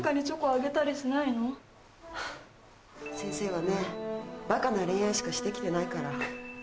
先生はねバカな恋愛しかして来てないから。